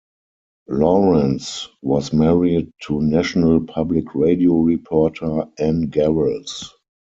Lawrence was married to National Public Radio reporter Anne Garrels.